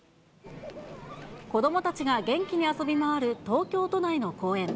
子どもたちが元気に遊び回る東京都内の公園。